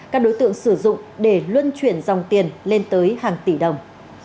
các đối tượng sử dụng để luân chuyển dòng tiền lên tới hàng tỷ đồng